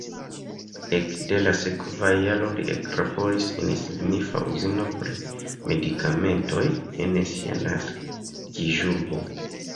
Ekde la sekva jaro li eklaboris en signifa uzino pri medikamentoj en sia naskiĝurbo.